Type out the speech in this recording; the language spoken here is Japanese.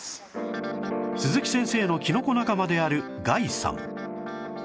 鈴木先生のキノコ仲間であるガイさん